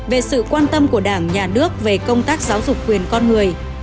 về sự quan tâm của đảng nhà nước về công tác giáo dục quyền con người